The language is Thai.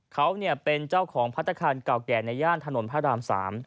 เขาเป็นเจ้าของพัฒนาคารเก่าแก่ในย่านถนนพระราม๓